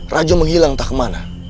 rajo menghilang entah kemana